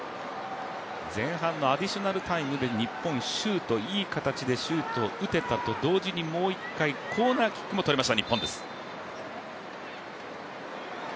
前半のアディショナルタイムで日本、いい形でシュートを打てたと同時にもう一回、コーナーキックもとりました。